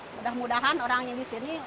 mudah mudahan orang yang disini